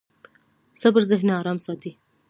صبر ذهن ارام ساتي.